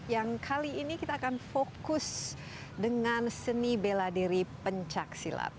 yang kali ini kita akan fokus dengan seni bela diri pencaksilat